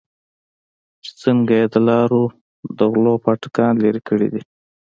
چې څنگه يې د لارو د غلو پاټکان لرې کړې دي.